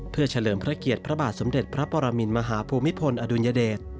เพื่อเฉลิมพระเกียรติพระบาทสมเด็จพระปรมินมหาภูมิพลอดุลยเดช